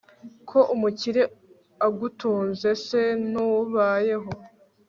ko umukire agutunze se ntubayeho